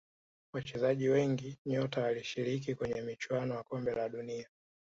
wachezaji wengi nyota walishiriki kwenye michuano ya kombe la dunia